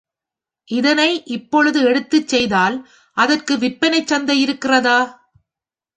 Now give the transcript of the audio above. இதனை இப்பொழுது எடுத்துச் செய்தால் அதற்கு விற்பனைச் சந்தை இருக்கிறதா?